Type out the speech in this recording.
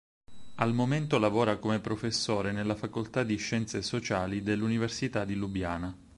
Al momento lavora come professore alla Facoltà di Scienze Sociali dell'Università di Lubiana.